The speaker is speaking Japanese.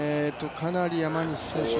かなり山西選手